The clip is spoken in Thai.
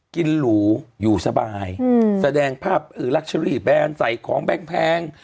กินหลูอยู่สบายแสดงภาพรัชรีแบรนด์ใส่ของแพง